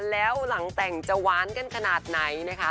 แล้วหลังแต่งจะหวานกันขนาดไหนนะคะ